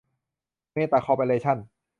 เมตะ คอร์ปอเรชั่น